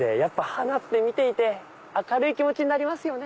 花って見ていて明るい気持ちになりますよね。